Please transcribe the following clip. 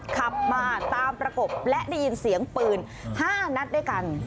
ขับมาตามประกบและได้ยินเสียงปืน๕นัดด้วยกัน